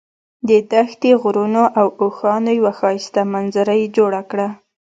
د دښتې، غرونو او اوښانو یوه ښایسته منظره یې جوړه کړه.